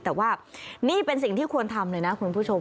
แต่ว่านี่เป็นสิ่งที่ควรทำเลยนะคุณผู้ชม